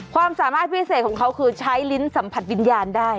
ความสามารถพิเศษของเขาคือใช้ลิ้นสัมผัสวิญญาณได้